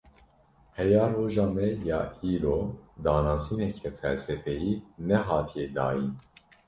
Heya roja me ya îro, danasîneke felsefeyî nehatiye dayîn.